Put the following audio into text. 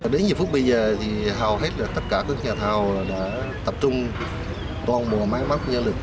đến nhiều phút bây giờ thì hầu hết là tất cả các nhà thầu đã tập trung toàn bộ máy móc nhân lực